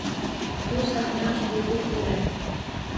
Bu sahna uslubi deyiladi